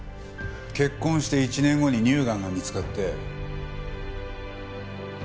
結婚して１年後に乳がんが見つかって。